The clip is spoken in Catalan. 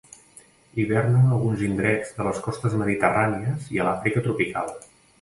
Hiverna en alguns indrets de les costes mediterrànies i a l'Àfrica tropical.